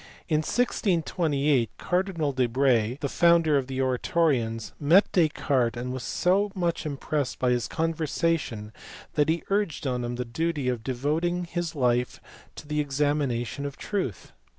In 1628 Cardinal de Berulle, the founder of the Oratorians, met Descartes, and was so much impressed by his conversation that he urged on him the duty of devoting his life to the examination of truth.